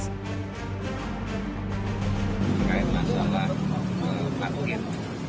berkaitan dengan salah pengakuan